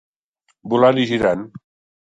Voltant i girant...